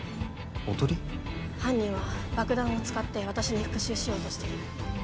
犯人は爆弾を使って私に復讐しようとしてる。